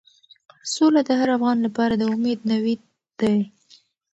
سوله د هر افغان لپاره د امید نوید دی.